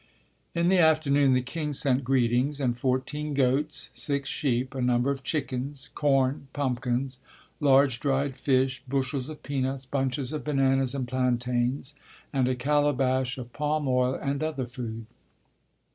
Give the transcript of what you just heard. In the afternoon the king sent greetings, and fourteen goats, six sheep, a number of chickens, corn, pumpkins, large dried fish, bushels of peanuts, bunches of bananas and plantains and a calabash of palm oil and other food.